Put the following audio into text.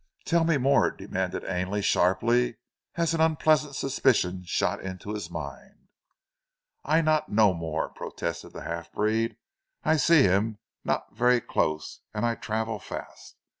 "Tell me more," demanded Ainley sharply, as an unpleasant suspicion shot into his mind. "I not know more," protested the half breed. "I see heem not ver' close; an' I travel fast.